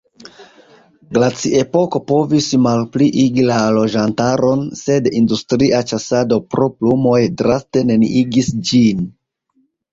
Glaciepoko povis malpliigi la loĝantaron, sed industria ĉasado pro plumoj draste neniigis ĝin.